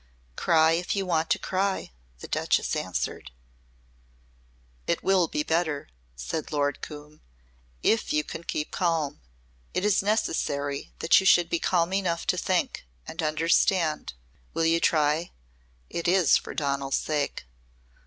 "Cry if you want to cry," the Duchess answered. "It will be better," said Lord Coombe, "if you can keep calm. It is necessary that you should be calm enough to think and understand. Will you try? It is for Donal's sake."